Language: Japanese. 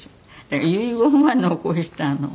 だから遺言は残したの。